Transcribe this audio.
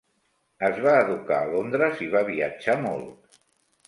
Es va educar a Londres i va viatjar molt.